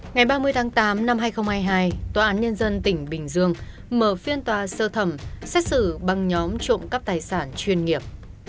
ngày ba mươi tháng tám năm hai nghìn hai mươi hai tòa án nhân dân tỉnh bình dương mở phiên tòa sơ thẩm xét xử băng nhóm trộm cắp tài sản chuyên nghiệp